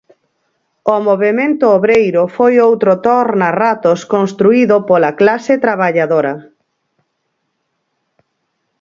O movemento obreiro foi outro tornarratos construído pola clase traballadora.